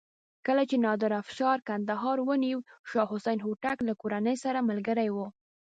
کله چې نادر افشار کندهار ونیو شاه حسین هوتک له کورنۍ سره ملګری و.